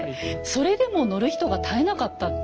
それでも乗る人が絶えなかった。